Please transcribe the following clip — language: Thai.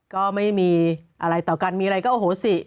ก็ไม่มีอะไรต่อกันมีอะไรก็โอ้โหสิ